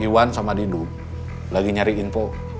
iwan sama didu lagi nyari info